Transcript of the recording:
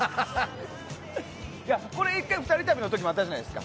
これ、１回２人旅の時もあったじゃないですか。